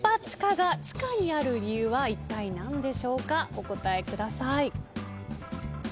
お答えください。